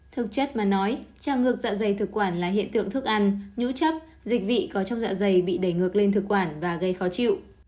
thực chất mà nói trào ngược dạ dày thực quản là hiện tượng thức ăn nhú chấp dịch vị có trong dạ dày bị đẩy ngược lên thực quản và gây khó chịu